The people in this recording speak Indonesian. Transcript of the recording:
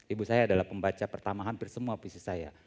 ibu saya adalah pembaca pertama hampir semua puisi saya